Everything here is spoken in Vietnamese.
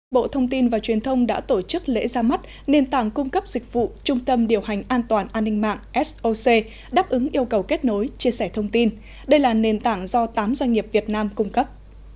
bộ thông tin và truyền thông đã tổ chức lễ ra mắt nền tảng cung cấp dịch vụ trung tâm điều hành an toàn an ninh mạng soc đáp ứng yêu cầu kết nối chia sẻ thông tin đây là nền tảng do tám doanh nghiệp việt nam cung cấp